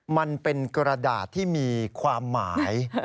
มันเป็นกระดาษที่มีความหมาย